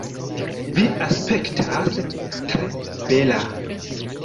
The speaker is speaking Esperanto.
Vi aspektas tre bela